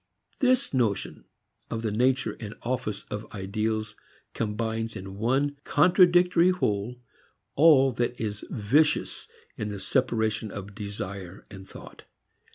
This notion of the nature and office of ideals combines in one contradictory whole all that is vicious in the separation of desire and thought.